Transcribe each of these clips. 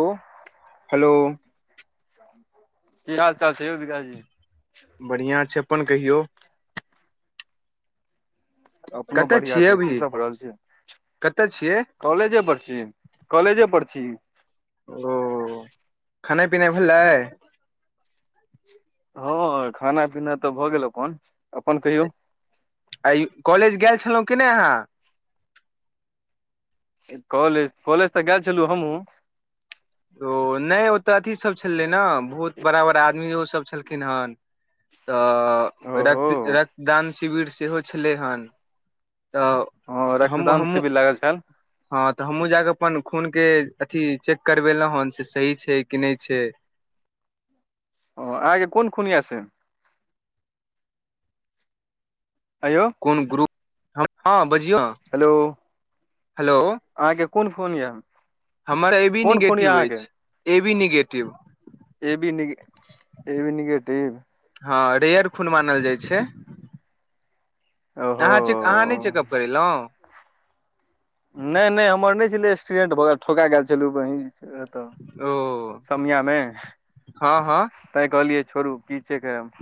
ओ hello की हाल चाल छै यौ बिकाश जी बढ़िया छै अपन कहियौ अपनो कतऽ बढ़िया छियै छै की अभी सब भऽ रहल छै कतऽ छियै कॉलेजे पर छी कॉलेजे पर छी ओ खानाइ पीनाइ भेलै हँ खाना पीना तऽ भऽ गेल अपन - अपन कहियौ अय कॉलेज गेल छलहुँ की नय अहाँ कॉलेज - कॉलेज तऽ गेल छलहुँ हमहुँ ओ नय ओतऽ अथी सभ छलै नऽ बहुत बड़ा - बड़ा आदमी ओ सभ छलखिन हन तऽ ओहो रक्त रक्तदान शिविर सेहो छलै हन तऽ हँ हम रक्तदान हमहूँ शिविर लागल छैल हँ तऽ हमहूँ जाकऽ अपन खून केँ अथी चेक करबेलहुँ हन से सही छै कि नय छै ओ आहाँकेँ कोन खून यऽ से अयौ कोन ग्रुप हँ बजियौ हेलो हेलो अहाँकेँ कोन खुन यऽ हमर ए बी कोन खून यऽ नेगेटिव अहाँके अछि A B negative A B निग ए बी निगेटिव हँ रेयर खून मानल जाय छै ओहो अहाँ चेक अहाँ नय चेकअप करेलहुँ नय - नय हमर नय छलै एक्सीडेंट भऽ गैल ठोका गैल छलहु बही वेह एतऽ ओ समियामे हँ हँ तैय कहलियै छोड़ू की चेक करैब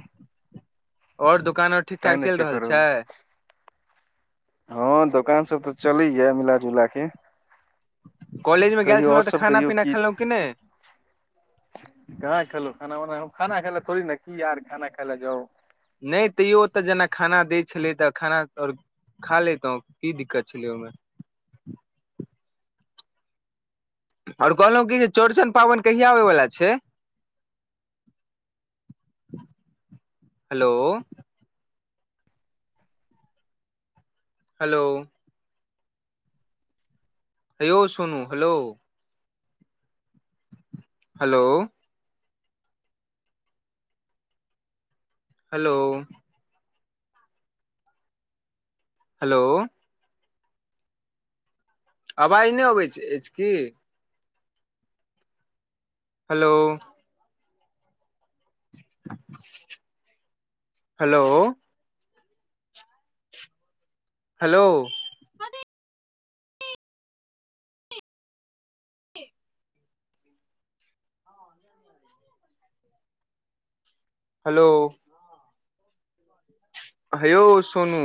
आओर दोकान आर ठीक तैं ठाक नहि चैल चेक रहल छै करौलहुँ हँ दोकान सब तऽ चलै य मिला जुला केँ कॉलेज मे गेल छलहुँ तऽ सब खाना कहियौ पीना खेलहुँ की नय कहाँ खेलो खाना वाना हम खाना खेले थोड़ी नऽ की यार खाना खाय लऽ जाउ नय तैयो ओतऽ जेना खाना दै छलै तऽ खाना आओर खा लेतहुँ की दिक्कत छलै ओहिमे आओर कहलहुँ कि जे चौड़चन पाबैन कहिया आबै वला छै हेलो हेलो हैयौ Sonu hello hello hello hello आवाज नइ अबैत अछि की हेलो हेलो हेलो हेलो हयो सोनू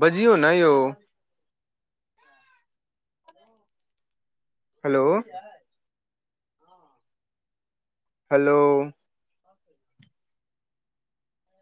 बजियै नऽ यौ हेलो हेलो